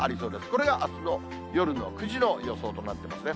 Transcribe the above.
これがあすの夜の９時の予想となっていますね。